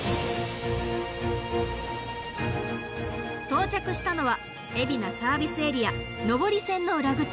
到着したのは海老名サービスエリア上り線の裏口。